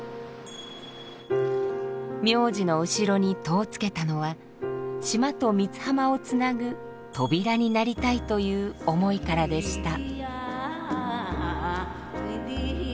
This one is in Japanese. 名字の後ろに「戸」をつけたのは島と三津浜をつなぐ扉になりたいという思いからでした。